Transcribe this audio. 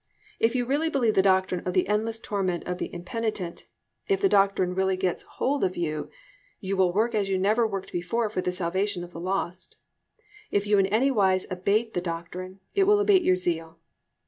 If you really believe the doctrine of the endless torment of the impenitent, if the doctrine really gets hold of you, you will work as you never worked before for the salvation of the lost. If you in any wise abate the doctrine, it will abate your zeal.